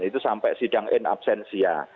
itu sampai sidangin absensia